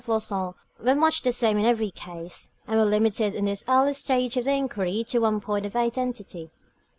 Floçon were much the same in every case, and were limited in this early stage of the inquiry to the one point of identity.